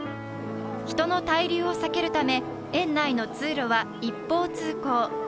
人の滞留を避けるため、園内の通路は一方通行。